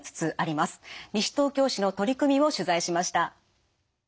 西東京市の取り組みを取材しました。